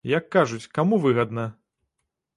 Як кажуць, каму выгадна?